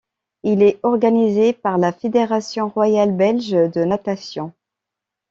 Il est organisé par la Fédération royale belge de natation.